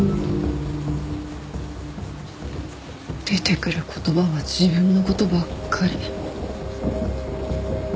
出てくる言葉は自分の事ばっかり。